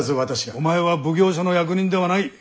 お前は奉行所の役人ではない！